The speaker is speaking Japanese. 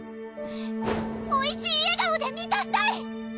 おいしい笑顔で満たしたい！